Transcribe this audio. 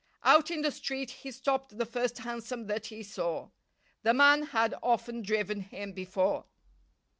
Out in the street he stopped the first hansom that he saw. The man had often driven him before.